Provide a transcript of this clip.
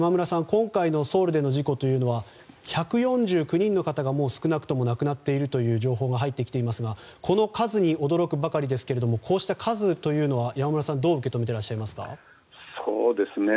今回のソウルの事故では１４９人の方が少なくとも亡くなっているという情報が入ってきていますがこの数に驚くばかりですがこうした数は、どう受け止めていらっしゃいますか。